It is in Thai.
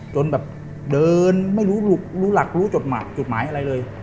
จนแบบเดินไม่รู้หลักรู้จดหมายจุดหมายอะไรเลย